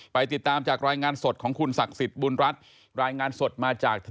ไปติดตามจากรายงานสดของคุณศักดิ์สิทธิ์บุญรัฐ